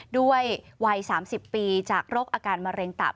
ด้วยวัย๓๐ปีจากโรคอาการมะเร็งตับ